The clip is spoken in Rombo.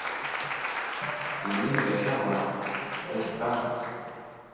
Ini ngeshawa esta.